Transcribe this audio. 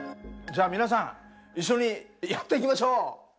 じゃあ皆さん一緒にやっていきましょう！